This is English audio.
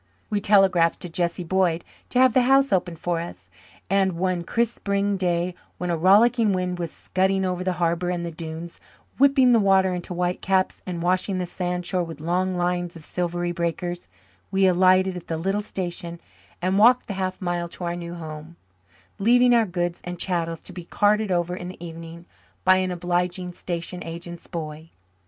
We telegraphed to Jesse Boyd to have the house opened for us and, one crisp spring day, when a rollicking wind was scudding over the harbour and the dunes, whipping the water into white caps and washing the sandshore with long lines of silvery breakers, we alighted at the little station and walked the half mile to our new home, leaving our goods and chattels to be carted over in the evening by an obliging station agent's boy.